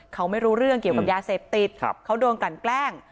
เขาไม่รู้เรื่องเกี่ยวกับยาเสพติดเขาโดนกลั่นแกล้ง